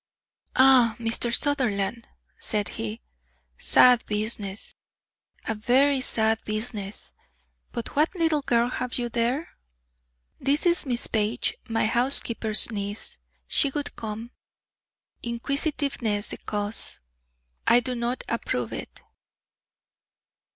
"Ah, Mr. Sutherland," said he, "sad business, a very sad business! But what little girl have you there?" "This is Miss Page, my housekeeper's niece. She would come. Inquisitiveness the cause. I do not approve of it."